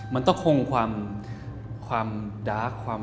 มันต้องคงความดาร์ก